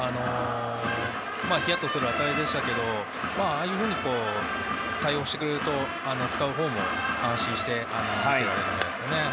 ヒヤッとする当たりでしたけどああいうふうに対応してくれると使うほうも安心して受けられるんじゃないですか。